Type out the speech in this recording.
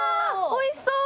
おいしそう！